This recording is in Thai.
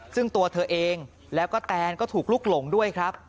ซึ่งตัวเธอเองแล้วก็แตนก็ถูกลุกหลงด้วยครับ